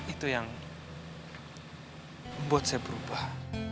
itu yang membuat saya berubah